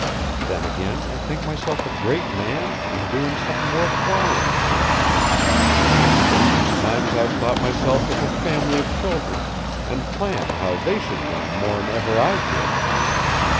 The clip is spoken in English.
"Then again I think myself a great man an' doin' somethin' worth while in the world. Then there's times I've thought myself with a family of children an' planned how they should learn mor'n ever I did."